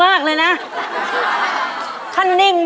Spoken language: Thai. อีกครั้งเดี๋ยว